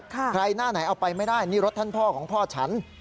ใครหน้าไหนเอาไปไม่ได้นี่รถท่านพ่อของพ่อฉัน